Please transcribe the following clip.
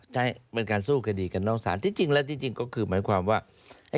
ใช่เป็นการสู้คดีกันนอกศาลที่จริงแล้วที่จริงก็คือหมายความว่า